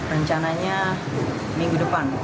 rencananya minggu depan